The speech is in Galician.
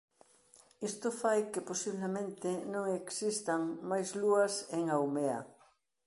Isto fai que posiblemente non existan máis lúas en Haumea.